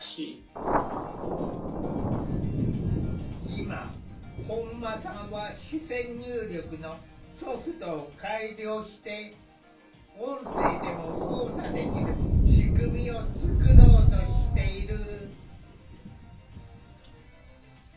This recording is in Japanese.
今本間さんは視線入力のソフトを改良して音声でも操作できる仕組みを作ろうとしている。